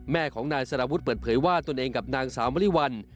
แม่ของนายสารวุฒิเปิดเผยว่าตนเองกับนางสาวมริวัล